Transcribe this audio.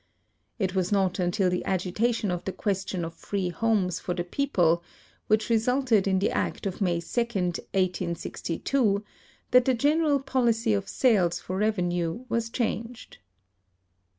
It was not until the agitation of the question of free homes for the people, which resulted in the act of May 2, 18G2, that the general jiolicy of sales for revenue was changed.